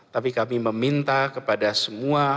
tapi kami meminta kepada semua